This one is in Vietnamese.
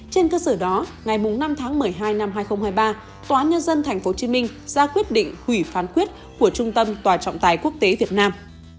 trên cơ sở đó ngày bốn năm một mươi hai hai nghìn hai mươi ba tòa án nhân dân tp hcm ra quyết định hủy phán quyết của trung tâm trọng tài quốc tế việt nam